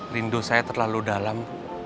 rindu saya terlalu dalam